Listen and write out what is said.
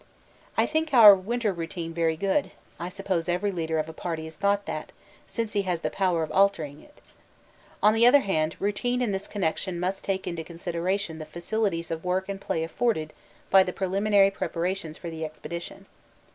I think our winter routine very good, I suppose every leader of a party has thought that, since he has the power of altering it. On the other hand, routine in this connection must take into consideration the facilities of work and play afforded by the preliminary preparations for the expedition.